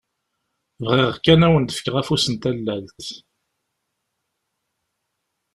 Bɣiɣ kan ad awen-d-fkeɣ afus n tallalt!